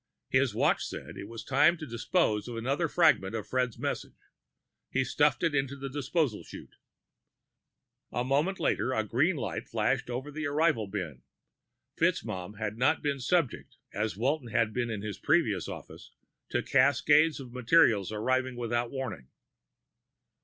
His watch said it was time to dispose of another fragment of Fred's message. He stuffed it into the disposal chute. A moment later the green light flashed over the arrival bin; FitzMaugham had not been subject, as Walton had been in his previous office, to cascades of material arriving without warning.